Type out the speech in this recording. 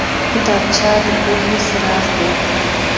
کتابچه د پوهې څراغ دی